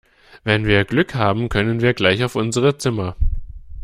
Wenn wir Glück haben können wir gleich auf unsere Zimmer.